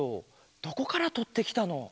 どこからとってきたの？